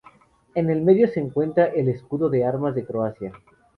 En el medio se encuentra el escudo de armas de Croacia.